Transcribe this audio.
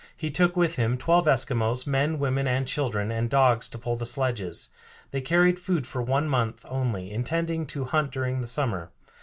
He took with him twelve Eskimos, men, women, and children, and dogs to pull the sledges. They carried food for one month only, intending to hunt during the summer.